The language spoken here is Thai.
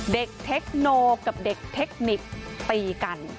เทคโนกับเด็กเทคนิคตีกัน